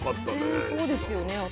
全然そうですよね。